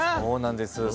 そうなんです。